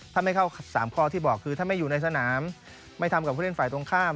ถ้าไม่เข้า๓ข้อที่บอกคือถ้าไม่อยู่ในสนามไม่ทำกับผู้เล่นฝ่ายตรงข้าม